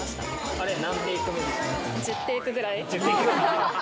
あれ何テイク目ですか？